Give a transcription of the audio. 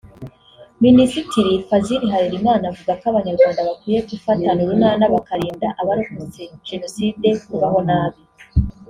Minisitiri Fazil Harerimana avuga ko Abanyarwanda bakwiye gufatana urunana bakarinda abarokotse Jenoside kubaho nabi